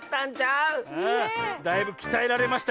⁉ああだいぶきたえられましたよ。